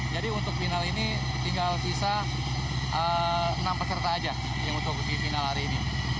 jadi untuk final ini tinggal sisa enam peserta aja yang untuk di final hari ini